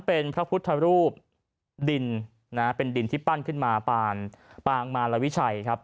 เป็นพระพุทธรูปดินนะฮะเป็นดินที่ปั้นขึ้นมาปานปางมารวิชัยครับ